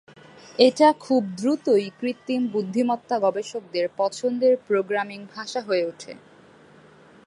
এটা খুব দ্রুতই কৃত্রিম বুদ্ধিমত্তা গবেষকদের পছন্দের প্রোগ্রামিং ভাষা হয়ে উঠে।